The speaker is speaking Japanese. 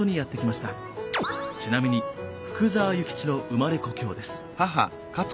ちなみに福沢諭吉の生まれ故郷です。